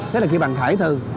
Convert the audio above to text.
thế là kêu bằng khải thư